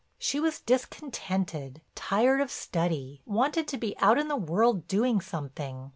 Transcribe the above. She was discontented, tired of study, wanted to be out in the world doing something.